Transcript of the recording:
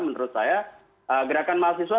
menurut saya gerakan mahasiswa